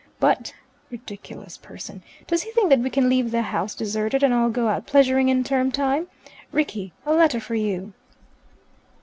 But (ridiculous person!) does he think that we can leave the House deserted and all go out pleasuring in term time? Rickie, a letter for you."